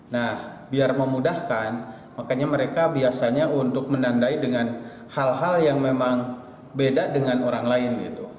nah biar memudahkan makanya mereka biasanya untuk menandai dengan hal hal yang memang beda dengan orang lain